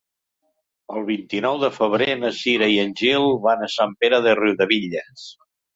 El vint-i-nou de febrer na Cira i en Gil van a Sant Pere de Riudebitlles.